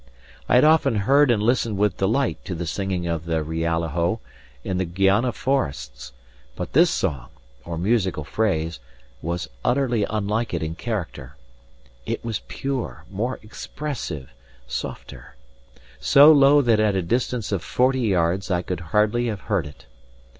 I had often heard and listened with delight to the singing of the rialejo in the Guayana forests, but this song, or musical phrase, was utterly unlike it in character. It was pure, more expressive, softer so low that at a distance of forty yards I could hardly have heard it.